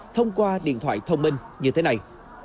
thông qua điện thoại thông minh như thế này